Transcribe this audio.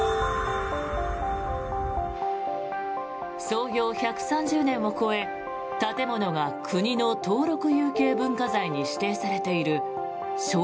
創業１３０年を超え建物が国の登録有形文化財に指定されている笑